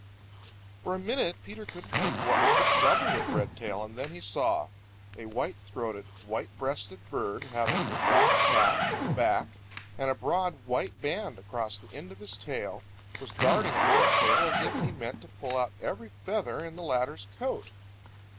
For a minute Peter couldn't think what was the trouble with Redtail, and then he saw. A white throated, white breasted bird, having a black cap and back, and a broad white band across the end of his tail, was darting at Redtail as if he meant to pull out every feather in the latter's coat.